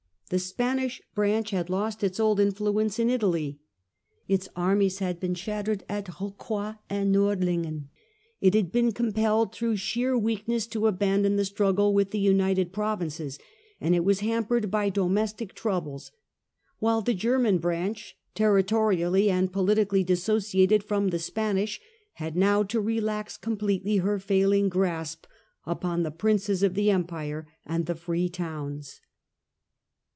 The Spanish branch had lost its old influence in Italy ; its armies had been shattered at Rocroy and Nordlingen ; it had been compelled through sheer weakness to aban don the struggle with the United Provinces, and it was hampered by domestic troubles ; while th$, German MM. B 2 Peace of Westphalia. 1648 * branch, territorially and politically dissociated from the Spanish, had now to relax completely her failing grasp upon the Princes of the Empire and the Free Towns.